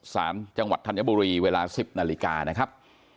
สารจังหวัดธัญบุรีเวลา๑๐นาฬิกานะครับ